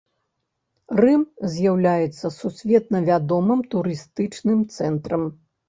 Рым з'яўляецца сусветна вядомым турыстычным цэнтрам.